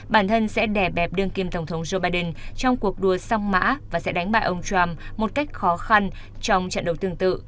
bản thân sẽ đè bẹp đương kim tổng thống joe biden trong cuộc đua song mã và sẽ đánh bại ông trump một cách khó khăn trong trận đấu tương tự